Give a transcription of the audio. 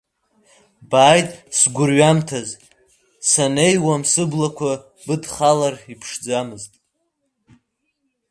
Бааит сгәырҩамҭаз, санеиуам, сыблақәа быдхалар иԥшӡамызт.